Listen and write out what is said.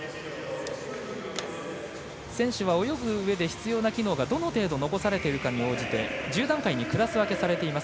選手は泳ぐうえで必要な機能がどの程度残されているかに応じて１０段階にクラス分けされています。